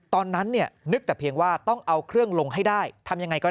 ตอนนั้นเนี่ยนึกแต่เพียงว่าต้องเอาเครื่องลงให้ได้ทำยังไงก็